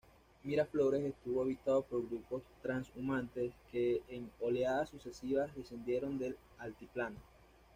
Miraflores estuvo habitado por grupos trashumantes, que en oleadas sucesivas descendieron del Altiplano.